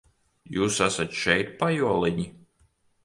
Jūs esat šeit, pajoliņi?